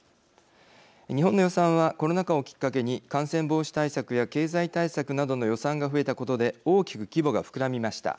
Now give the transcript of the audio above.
日本の予算はコロナ禍をきっかけに感染防止対策や経済対策などの予算が増えたことで大きく規模が膨らみました。